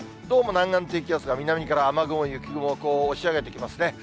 どうも南岸低気圧が南から雨雲、雪雲をこう押し上げてきますね。